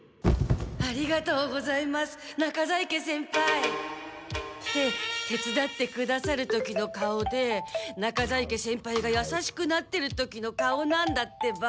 ありがとうございます中在家先輩。って手伝ってくださる時の顔で中在家先輩が優しくなってる時の顔なんだってば。